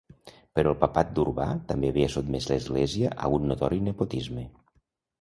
Però el papat d'Urbà també havia sotmès l'Església a un notori nepotisme.